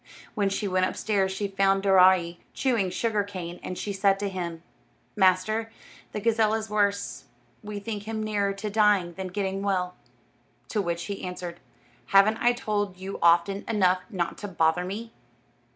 When she went upstairs she found Daaraaee chewing sugar cane, and she said to him, "Master, the gazelle is worse; we think him nearer to dying than getting well." To which he answered: "Haven't I told you often enough not to bother me?"